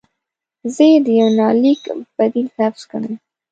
زه یې د یونلیک بدیل لفظ ګڼم.